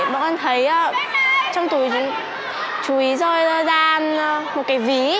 bọn con thấy trong tủ chú ý rơi ra một cái ví